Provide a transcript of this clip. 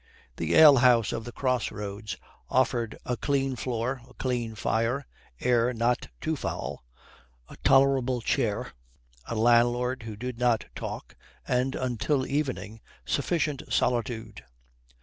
The alehouse of the cross roads offered a clean floor, a clean fire, air not too foul, a tolerable chair, a landlord who did not talk, and until evening, sufficient solitude.